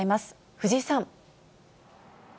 藤井さん。